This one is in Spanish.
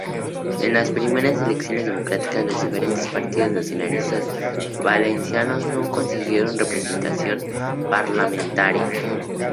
En las primeras elecciones democráticas, los diferentes partidos nacionalistas valencianos no consiguieron representación parlamentaria.